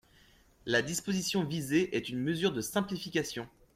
La disposition visée est une mesure de simplification.